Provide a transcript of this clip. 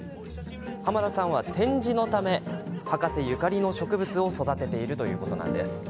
浜田さんは展示のため博士ゆかりの植物を育てているんです。